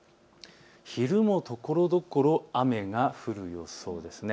昼もところどころ雨が降る予想です。